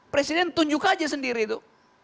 presiden tunjuk aja sendiri itu